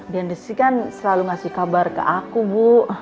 dan rizky kan selalu kasih kabar ke aku bu